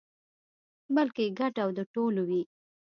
بلکې ګډ او د ټولو وي.